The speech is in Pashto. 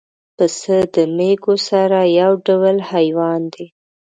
پسه د مېږو سره یو ډول حیوان دی.